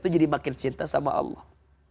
jadi makin cinta sama allah